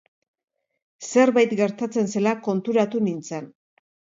Zerbait gertatzen zela konturatu nintzen.